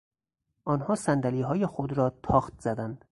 آنها صندلیهای خود را تاخت زدند.